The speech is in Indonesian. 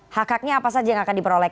hak haknya apa saja yang akan diperoleh